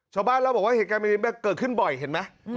ชาวบ้านเล่าบอกว่าเหตุการณ์แบบนี้เกิดขึ้นบ่อยเห็นไหม